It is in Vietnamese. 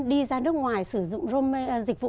đi ra nước ngoài sử dụng dịch vụ